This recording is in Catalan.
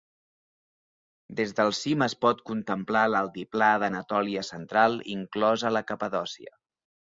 Des del cim es pot contemplar l'altiplà d'Anatòlia central, inclosa la Capadòcia.